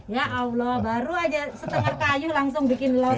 ya allah baru aja setengah kayu langsung bikin loyal